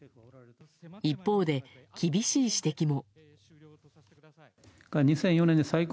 一方で、厳しい指摘も。